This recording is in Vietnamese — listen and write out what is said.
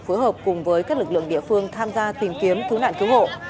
phối hợp cùng với các lực lượng địa phương tham gia tìm kiếm cứu nạn cứu hộ